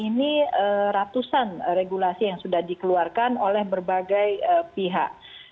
ini ratusan regulasi yang sudah dikeluarkan oleh berbagai pihak